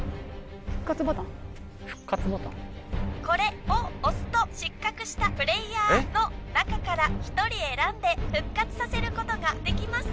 これを押すと失格したプレイヤーの中から１人選んで復活させることができます。